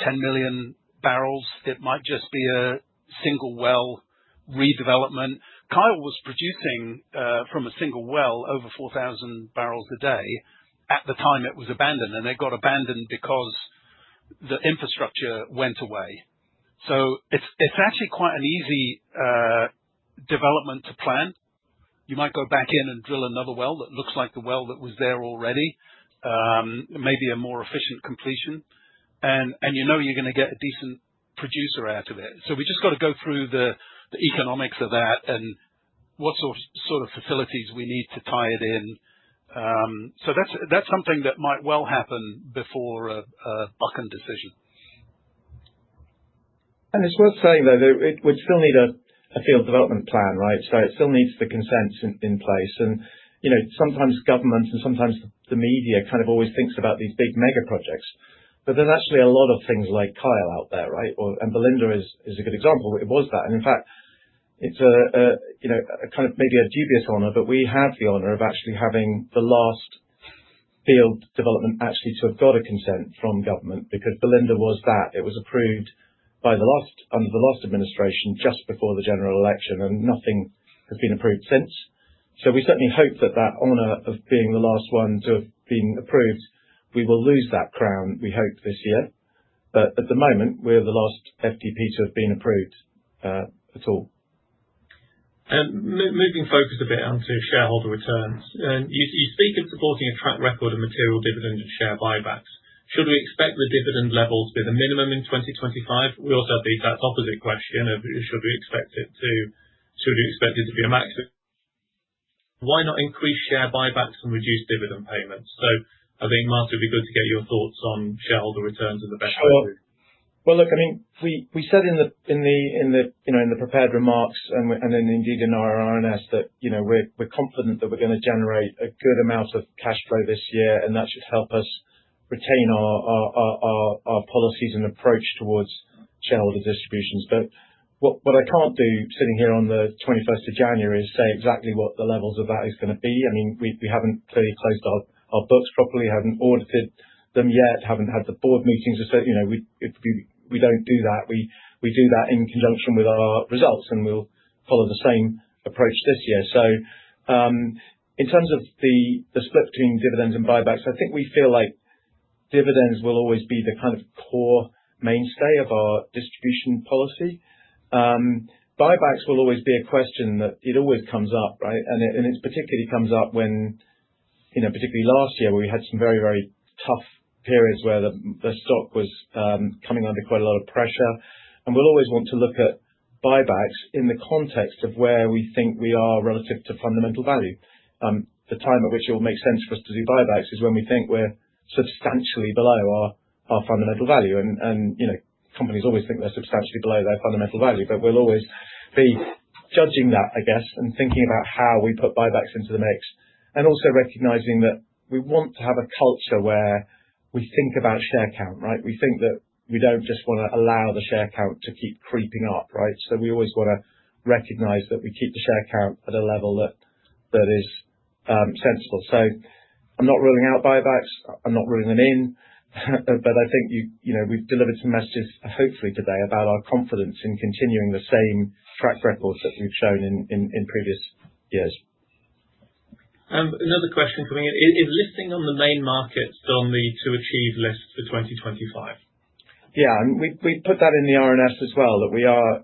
10 million barrels. It might just be a single well redevelopment. Kyle was producing from a single well over 4,000 barrels a day at the time it was abandoned, and it got abandoned because the infrastructure went away. It's actually quite an easy development to plan. You might go back in and drill another well that looks like the well that was there already. Maybe a more efficient completion. And you know you're gonna get a decent producer out of it. We just got to go through the economics of that and what sort of facilities we need to tie it in. That's something that might well happen before a Buchan decision. It's worth saying, though, it would still need a field development plan, right? It still needs the consents in place. You know, sometimes governments and sometimes the media kind of always thinks about these big mega projects. There's actually a lot of things like Kyle out there, right? Or and Belinda is a good example. It was that. In fact, it's a, you know, a kind of maybe a dubious honor, but we have the honor of actually having the last field development actually to have got a consent from government. Because Belinda was that. It was approved under the last administration, just before the general election, and nothing has been approved since. We certainly hope that that honor of being the last one to have been approved, we will lose that crown, we hope, this year. At the moment, we're the last FDP to have been approved at all. Moving focus a bit onto shareholder returns. You speak of supporting a track record of material dividend and share buybacks. Should we expect the dividend level to be the minimum in 2025? We also have the exact opposite question of should we expect it to be a maximum? Why not increase share buybacks and reduce dividend payments? I think, Martin, it'd be good to get your thoughts on shareholder returns as a benchmark. Well, look, I think we said in the, you know, in the prepared remarks and then indeed in our RNS that, you know, we're confident that we're gonna generate a good amount of cash flow this year, and that should help us retain our policies and approach towards shareholder distributions. What I can't do, sitting here on the twenty-first of January, is say exactly what the levels of that is gonna be. I mean, we haven't clearly closed our books properly, haven't audited them yet, haven't had the board meetings to say, you know, we don't do that. We do that in conjunction with our results, and we'll follow the same approach this year. In terms of the split between dividends and buybacks, I think we feel like dividends will always be the kind of core mainstay of our distribution policy. Buybacks will always be a question that it always comes up, right? And it particularly comes up when, you know, particularly last year where we had some very tough periods where the stock was coming under quite a lot of pressure. And we'll always want to look at buybacks in the context of where we think we are relative to fundamental value. The time at which it will make sense for us to do buybacks is when we think we're substantially below our fundamental value. You know, companies always think they're substantially below their fundamental value, but we'll always be judging that, I guess, and thinking about how we put buybacks into the mix. Also recognizing that we want to have a culture where we think about share count, right? We think that we don't just wanna allow the share count to keep creeping up, right? We always wanna recognize that we keep the share count at a level that is sensible. I'm not ruling out buybacks, I'm not ruling them in. But I think you know, we've delivered some messages, hopefully today, about our confidence in continuing the same track record that we've shown in previous years. Another question coming in. Is listing on the main market on the to-achieve list for 2025? We put that in the RNS as well, that we are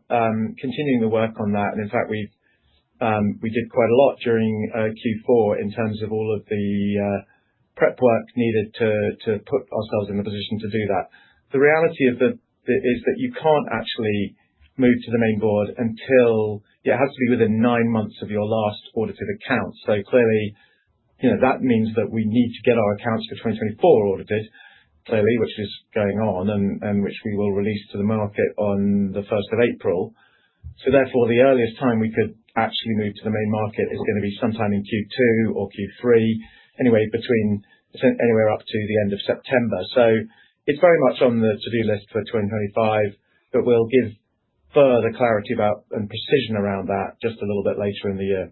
continuing the work on that. In fact, we did quite a lot during Q4 in terms of all of the prep work needed to put ourselves in a position to do that. The reality is that you can't actually move to the main board until it has to be within nine months of your last audited account. Clearly, you know, that means that we need to get our accounts for 2024 audited, clearly, which is going on and which we will release to the market on the first of April. Therefore, the earliest time we could actually move to the main market is gonna be sometime in Q2 or Q3. Anyway, anywhere up to the end of September. It's very much on the to-do list for 2025, but we'll give further clarity about, and precision around that just a little bit later in the year.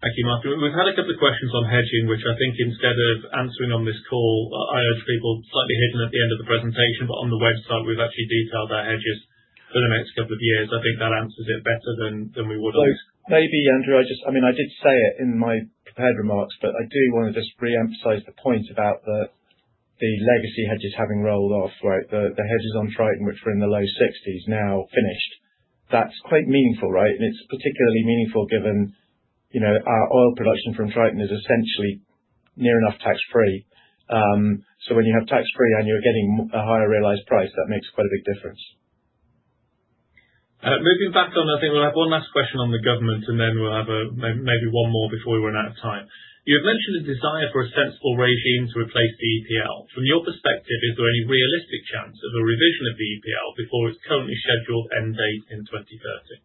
Thank you, Martin. We've had a couple of questions on hedging, which I think instead of answering on this call, I urge people, slightly hidden at the end of the presentation, but on the website, we've actually detailed our hedges for the next couple of years. I think that answers it better than we would on this- Maybe, Andrew. I mean, I did say it in my prepared remarks, but I do wanna just re-emphasize the point about the legacy hedges having rolled off, right? The hedges on Triton, which were in the low 60s, now finished. That's quite meaningful, right? It's particularly meaningful given, you know, our oil production from Triton is essentially near enough tax-free. So when you have tax-free and you're getting a higher realized price, that makes quite a big difference. Moving back on, I think we'll have one last question on the government, and then we'll have maybe one more before we run out of time. You have mentioned a desire for a sensible regime to replace the EPL. From your perspective, is there any realistic chance of a revision of the EPL before its currently scheduled end date in 2030?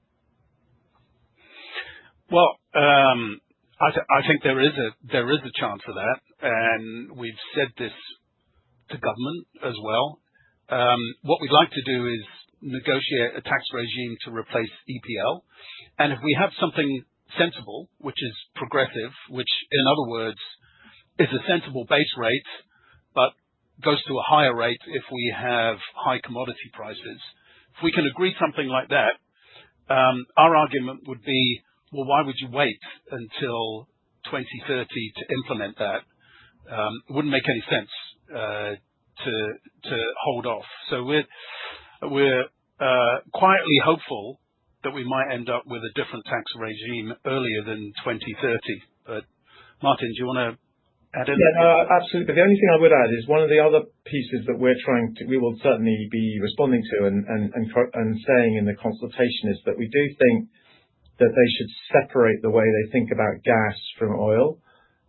I think there is a chance for that, and we've said this to government as well. What we'd like to do is negotiate a tax regime to replace EPL. If we have something sensible, which is progressive, which in other words is a sensible base rate, but goes to a higher rate if we have high commodity prices. If we can agree something like that, our argument would be, "Well, why would you wait until 2030 to implement that? It wouldn't make any sense to hold off." We're quietly hopeful that we might end up with a different tax regime earlier than 2030. Martin, do you wanna add anything? Yeah. No, absolutely. The only thing I would add is one of the other pieces that we will certainly be responding to and saying in the consultation is that we do think that they should separate the way they think about gas from oil.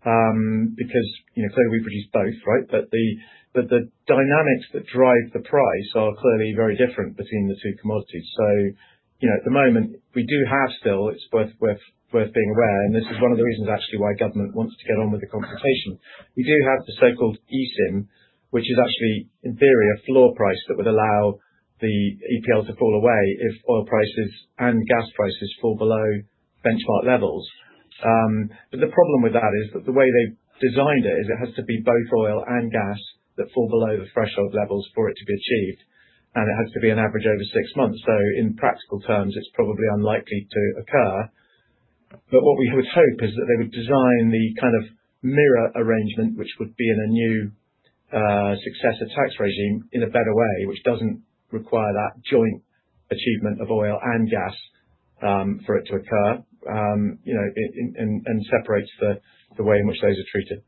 Because, you know, clearly we produce both, right? The dynamics that drive the price are clearly very different between the two commodities. You know, at the moment, we still do have. It's worth noting, and this is one of the reasons actually why government wants to get on with the consultation. We do have the so-called ESIM, which is actually in theory a floor price that would allow the EPL to fall away if oil prices and gas prices fall below benchmark levels. The problem with that is that the way they've designed it is it has to be both oil and gas that fall below the threshold levels for it to be achieved, and it has to be an average over six months. In practical terms, it's probably unlikely to occur. What we would hope is that they would design the kind of mirror arrangement, which would be in a new successor tax regime in a better way, which doesn't require that joint achievement of oil and gas for it to occur. You know, it and separates the way in which those are treated.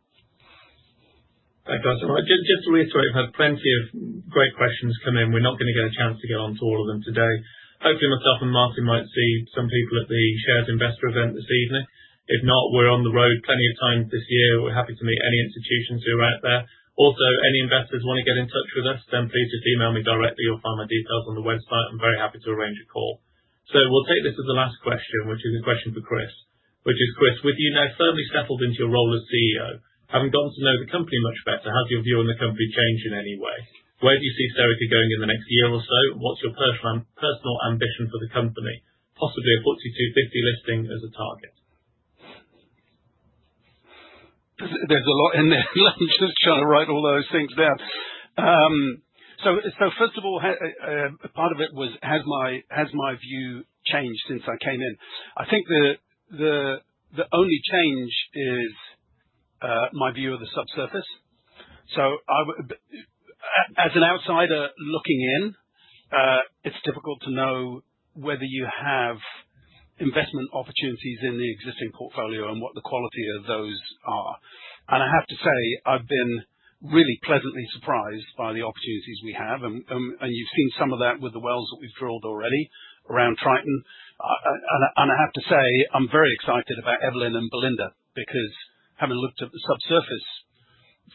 Thanks, guys. Just to reiterate, we've had plenty of great questions come in. We're not gonna get a chance to get on to all of them today. Hopefully, myself and Martin might see some people at the shares investor event this evening. If not, we're on the road plenty of times this year. We're happy to meet any institutions who are out there. Also, any investors who wanna get in touch with us, then please just email me directly. You'll find my details on the website. I'm very happy to arrange a call. We'll take this as the last question, which is a question for Chris. Which is, Chris, with you now firmly settled into your role as CEO, having gotten to know the company much better, how has your view on the company changed in any way? Where do you see Serica going in the next year or so? What's your personal ambition for the company? Possibly a FTSE 250 listing as a target. There's a lot in there. Let me just try to write all those things down. First of all, part of it was, has my view changed since I came in? I think the only change is my view of the subsurface. As an outsider looking in, it's difficult to know whether you have investment opportunities in the existing portfolio and what the quality of those are. I have to say, I've been really pleasantly surprised by the opportunities we have, and you've seen some of that with the wells that we've drilled already around Triton. I have to say, I'm very excited about Evelyn and Belinda because having looked at the subsurface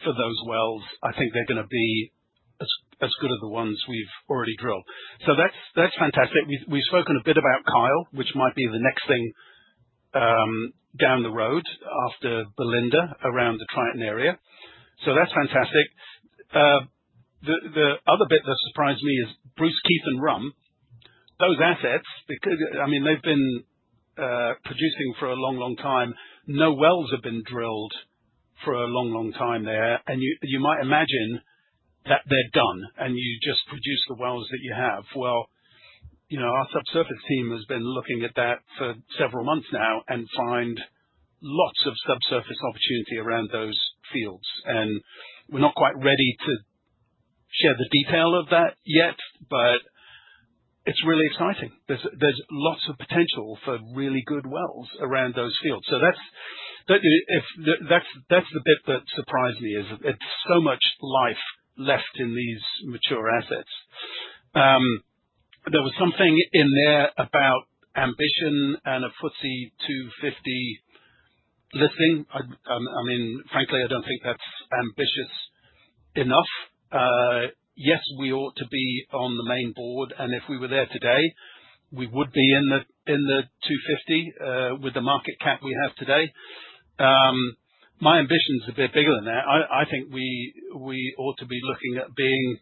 for those wells, I think they're gonna be as good as the ones we've already drilled. That's fantastic. We've spoken a bit about Kyle, which might be the next thing down the road after Belinda around the Triton area. That's fantastic. The other bit that surprised me is Bruce, Keith and Rum. Those assets, because I mean, they've been producing for a long, long time. No wells have been drilled for a long, long time there. You might imagine that they're done, and you just produce the wells that you have. You know, our subsurface team has been looking at that for several months now and find lots of subsurface opportunity around those fields. We're not quite ready to share the detail of that yet, but it's really exciting. There's lots of potential for really good wells around those fields. That's the bit that surprised me, is it's so much life left in these mature assets. There was something in there about ambition and a FTSE 250 listing. I mean, frankly, I don't think that's ambitious enough. Yes, we ought to be on the main board, and if we were there today, we would be in the FTSE 250 with the market cap we have today. My ambition is a bit bigger than that. I think we ought to be looking at being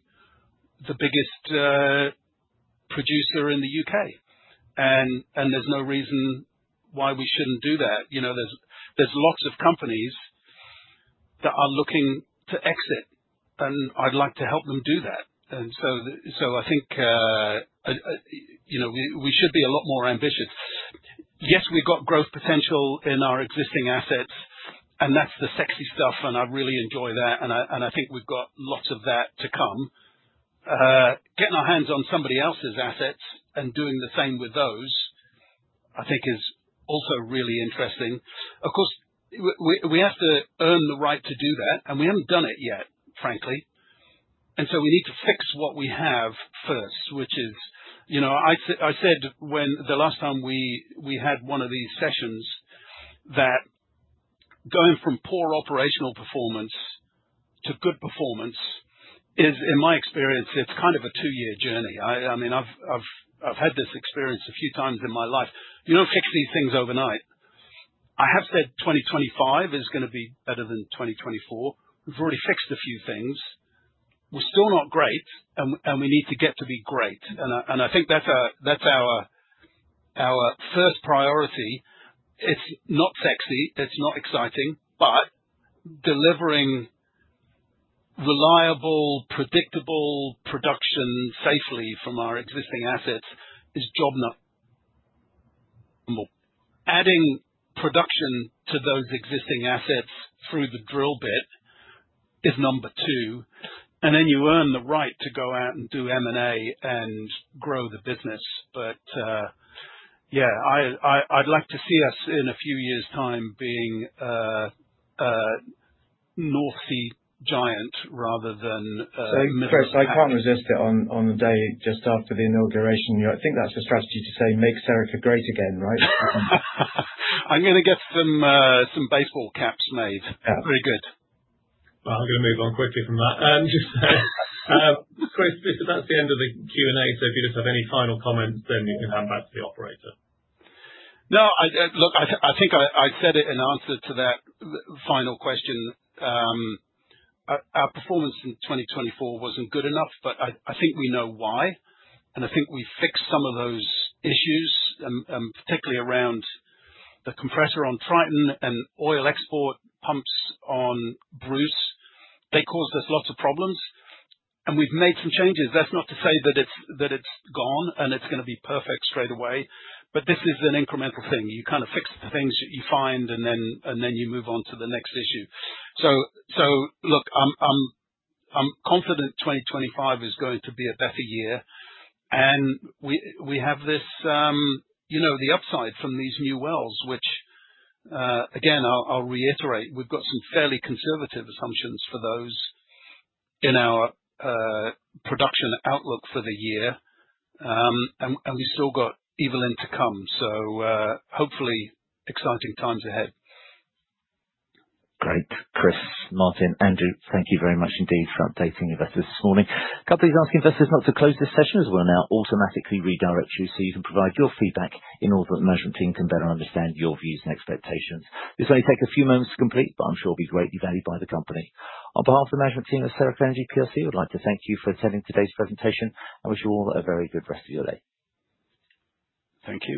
the biggest producer in the U.K. There's no reason why we shouldn't do that. You know, there's lots of companies that are looking to exit, and I'd like to help them do that. I think, you know, we should be a lot more ambitious. Yes, we've got growth potential in our existing assets, and that's the sexy stuff and I really enjoy that, and I think we've got lots of that to come. Getting our hands on somebody else's assets and doing the same with those, I think is also really interesting. Of course, we have to earn the right to do that, and we haven't done it yet, frankly. We need to fix what we have first, which is, you know, I said when the last time we had one of these sessions, that going from poor operational performance to good performance is, in my experience, it's kind of a two-year journey. I mean, I've had this experience a few times in my life. You don't fix these things overnight. I have said 2025 is gonna be better than 2024. We've already fixed a few things. We're still not great, and we need to get to be great. I think that's our first priority. It's not sexy, it's not exciting, but delivering reliable, predictable production safely from our existing assets is job number one. Adding production to those existing assets through the drill bit is number two. You earn the right to go out and do M&A and grow the business. Yeah, I'd like to see us in a few years' time being a North Sea giant rather than a middle of the pack. Chris, I can't resist it on the day just after the inauguration. You know, I think that's a strategy to say Make Serica great again, right? I'm gonna get some baseball caps made. Yeah. Very good. Well, I'm gonna move on quickly from that. Just, Chris, that's the end of the Q&A, so if you just have any final comments, then we can hand back to the operator. No, look, I think I said it in answer to that final question. Our performance in 2024 wasn't good enough, but I think we know why, and I think we fixed some of those issues, particularly around the compressor on Triton and oil export pumps on Bruce. They caused us lots of problems. We've made some changes. That's not to say that it's gone and it's gonna be perfect straight away. This is an incremental thing. You kind of fix the things that you find and then you move on to the next issue. Look, I'm confident 2025 is going to be a better year. We have this, you know, the upside from these new wells, which, again, I'll reiterate, we've got some fairly conservative assumptions for those in our production outlook for the year. We've still got Evelyn to come. Hopefully exciting times ahead. Great. Chris, Martin, Andrew, thank you very much indeed for updating investors this morning. Couple of things, asking investors not to close this session as we'll now automatically redirect you so you can provide your feedback in order that the management team can better understand your views and expectations. This only take a few moments to complete, but I'm sure it'll be greatly valued by the company. On behalf of the management team at Serica Energy PLC, we'd like to thank you for attending today's presentation and wish you all a very good rest of your day. Thank you.